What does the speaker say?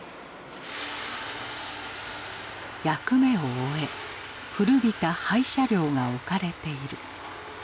役目を終え古びた廃車両が置かれている。